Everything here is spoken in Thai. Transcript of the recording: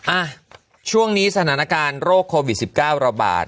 อ่ะช่วงนี้สถานการณ์โรคโควิด๑๙ระบาด